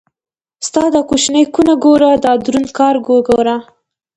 ستا دا کوچنۍ کونه ګوره دا دروند کار وګوره.